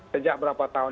sejak berapa tahun